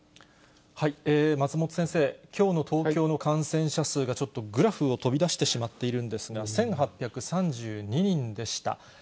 松本先生、きょうの東京の感染者数がちょっとグラフを飛び出してしまっているんですが、１８３２人でした。